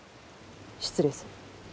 失礼する。